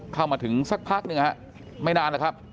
เข้ามาถึงสักพักหนึ่งฮะไม่นานแล้วครับ